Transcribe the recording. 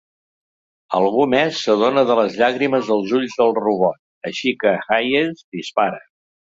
Algú més s'adona de les llàgrimes als ulls del robot, així que Hayes dispara.